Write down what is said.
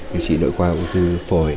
điều trị về nội khoa ông thư phổi